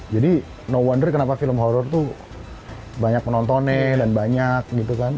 jadi no wonder kenapa film horror tuh banyak menontonnya dan banyak gitu kan